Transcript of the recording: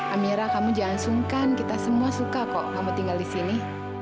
amira kamu jangan sungkan kita semua suka kok kamu tinggal di sini